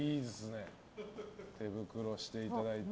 手袋をしていただいて。